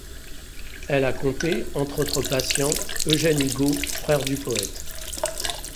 Il a compté, entre autres patients, Eugène Hugo, frère du poète.